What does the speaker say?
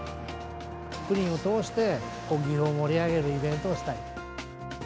プリンを通して、岐阜を盛り上げるイベントをしたい。